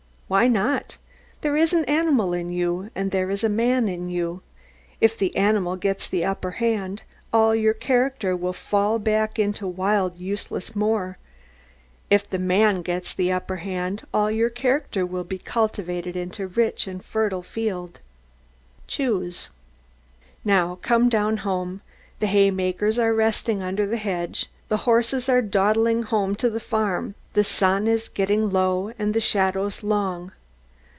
Why not? There is an animal in you, and there is a man in you. If the animal gets the upper hand, all your character will fall back into wild useless moor; if the man gets the upper hand, all your character will be cultivated into rich and fertile field. Choose. Now come down home. The haymakers are resting under the hedge. The horses are dawdling home to the farm. The sun is getting low, and the shadows long.